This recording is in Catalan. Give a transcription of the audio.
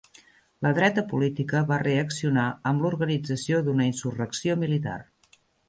La dreta política va reaccionar amb l'organització d'una insurrecció militar.